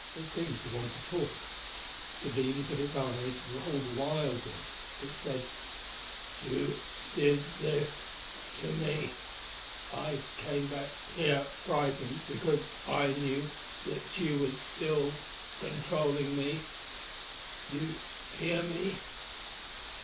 It seemed to want to talk. The beams of its eyes rolled wildly. It said: "Tugh did this to me. I came back here frightened because I knew that Tugh still controlled me. You hear me...."